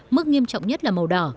mức nghiêm trọng nhất là màu đỏ